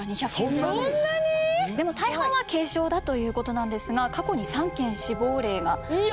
そんなに⁉でも大半は軽傷だということなんですが過去に３件死亡例が。